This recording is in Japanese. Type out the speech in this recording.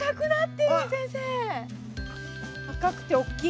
赤くておっきい。